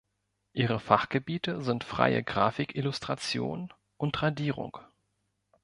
Ihre Fachgebiete sind freie Grafik-Illustration und Radierung.